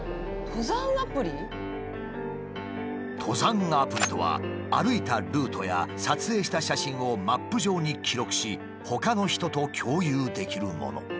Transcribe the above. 「登山アプリ」とは歩いたルートや撮影した写真をマップ上に記録しほかの人と共有できるもの。